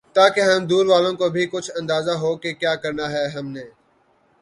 تاکہ ہم دور والوں کو بھی کچھ اندازہ ہوکہ کیا کرنا ہے ہم نے